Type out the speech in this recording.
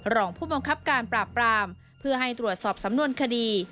รองผู้บังคับการปราบปรามเพื่อให้ตรวจสอบสำนวนคดี